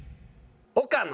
岡野。